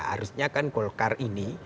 harusnya kan golkar ini